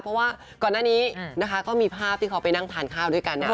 เพราะว่าก่อนหน้านี้นะคะก็มีภาพที่เขาไปนั่งทานข้าวด้วยกันนะครับ